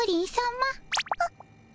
あっ。